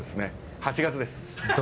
８月です。